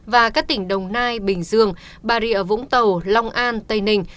và các tỉnh đồng nai bình dương bà rịa vũng tàu long an tây ninh